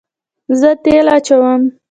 زه تیل اچوم